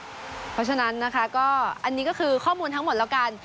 เพราะฉะนั้นนะคะก็อันนี้ก็คือข้อมูลทั้งหมดแล้วกัน